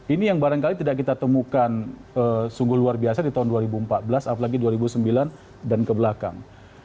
ini yang barangkali tidak kita temukan sungguh luar biasa di tahun dua ribu empat belas apalagi dua ribu sembilan dan kebelakang